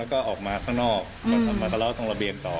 แล้วก็ออกมาข้างนอกมาทะเลาะตรงระเบียงต่อ